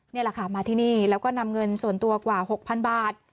นี่แหละค่ะมาที่นี่แล้วก็นำเงินส่วนตัวกว่า๖๐๐๐บาท